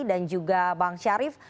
dan juga bang syarif